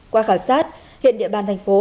qua khảo sát hiện địa bàn thành phố